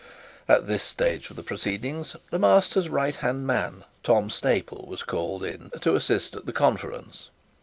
At this stage of the proceedings, the master's right hand man, Tom Staple, was called in to assist at the conference.